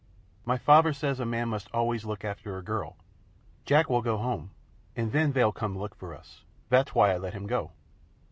My faver says a man must always look after a girl. Jack will go home, and ven vey'll come and look for us. Vat's why I let him go."